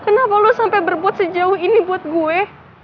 kenapa lo sampai berbuat sejauh ini buat gue